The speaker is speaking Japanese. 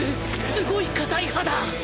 すごい硬い歯だ！